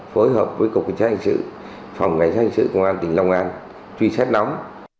phối hợp với cục cảnh sát hành sự phòng cảnh sát hành sự công an tỉnh long an truy xét nóng